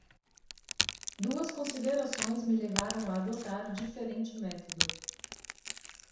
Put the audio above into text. duas considerações me levaram a adotar diferente método